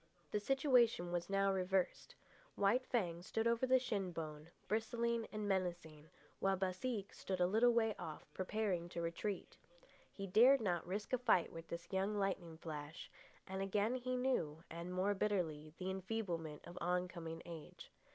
The situation was now reversed. White Fang stood over the shin bone, bristling and menacing, while Baseek stood a little way off, preparing to retreat. He dared not risk a fight with this young lightning flash, and again he knew, and more bitterly, the enfeeblement of oncoming age.